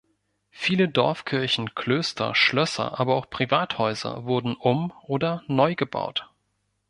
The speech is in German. Viele Dorfkirchen, Klöster, Schlösser, aber auch Privathäuser wurden um- oder neugebaut.